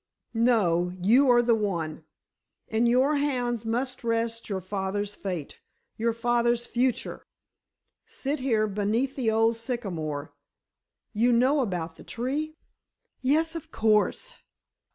"No; you are the one. In your hands must rest your father's fate—your father's future. Sit here, beneath the old sycamore—you know about the tree?" "Yes, of course."